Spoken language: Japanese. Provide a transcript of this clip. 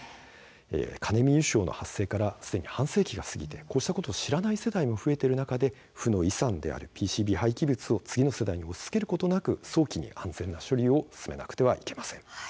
カネミ油症の発生からすでに半世紀が過ぎてこうしたことを知らない世代も増えている中で負の遺産であるＰＣＢ廃棄物を次の世代に押しつけることなく早期に安全な処理を進めなくてはいけません。